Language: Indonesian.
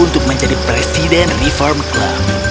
untuk menjadi presiden reform club